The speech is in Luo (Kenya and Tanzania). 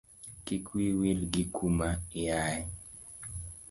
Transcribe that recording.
Kik wiyi wil gi kuma iaye.